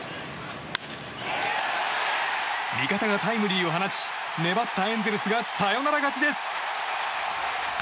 味方がタイムリーを放ち粘ったエンゼルスがサヨナラ勝ちです！